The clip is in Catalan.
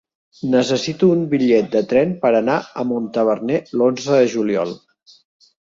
Necessito un bitllet de tren per anar a Montaverner l'onze de juliol.